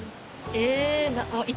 え？